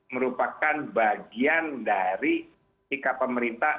merupakan bagian dari sikap pemerintah